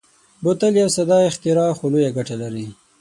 بوتل یو ساده اختراع خو لویه ګټه لري.